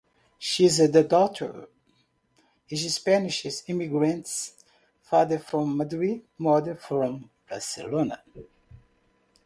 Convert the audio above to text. She is the daughter of Spanish immigrants, father from Madrid, mother from Barcelona.